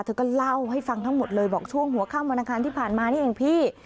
เธอก็เล่าให้ฟังทั้งหมดเลยบอกช่วงหัวค่ำวันอังคารที่ผ่านมานี่เองพี่